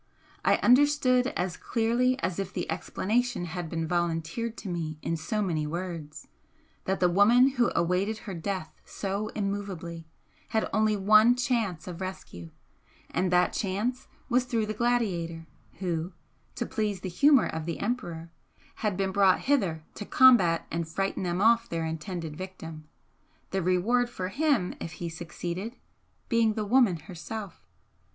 I understood as clearly as if the explanation had been volunteered to me in so many words, that the woman who awaited her death so immovably had only one chance of rescue, and that chance was through the gladiator, who, to please the humour of the Emperor, had been brought hither to combat and frighten them off their intended victim, the reward for him, if he succeeded, being the woman herself.